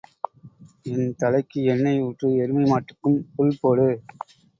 என் தலைக்கு எண்ணெய் ஊற்று எருமை மாட்டுக்கும் புல் போடு.